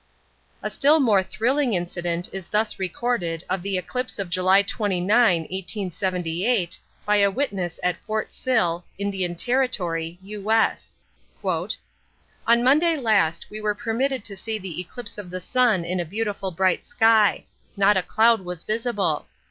A still more thrilling incident is thus recorded of the eclipse of July 29, 1878, by a witness at Fort Sill, Indian Territory, U.S.:— "On Monday last we were permitted to see the eclipse of the Sun in a beautiful bright sky. Not a cloud was visible.